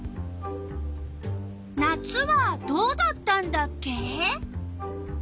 夏はどうだったんだっけ？